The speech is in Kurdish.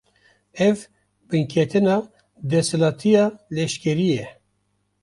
Ev, binketina desthilatiya leşkerî ye